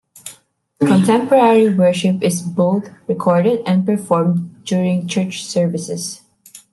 Contemporary worship is both recorded and performed during church services.